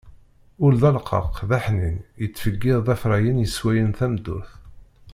Ul d aleqqaq,d aḥnin, yettfeggiḍ d afrayen yeswayen tameddurt.